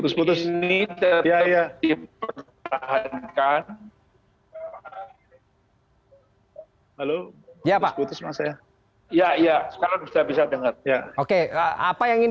saya ke pak dhani